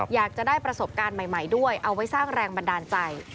อยากจะได้ประสบการณ์ใหม่ด้วยเอาไว้สร้างแรงบันดาลใจ